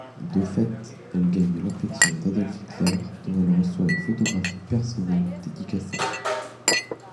De fait, elle gagne l'affection d'Adolf Hitler, dont elle reçoit une photographie personnelle dédicacée.